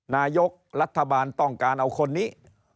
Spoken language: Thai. นายกรัฐบาลต้องการเอาคนนี้